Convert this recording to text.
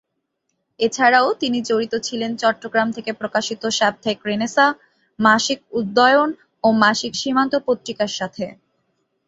এছাড়াও তিনি জড়িত ছিলেন চট্টগ্রাম থেকে প্রকাশিত সাপ্তাহিক রেনেসাঁ, মাসিক উদয়ন ও মাসিক সীমান্ত পত্রিকার সাথে।